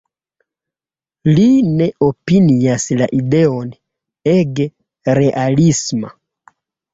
Li ne opinias la ideon ege realisma.